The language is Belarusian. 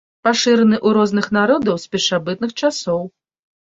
Пашыраны ў розных народаў з першабытных часоў.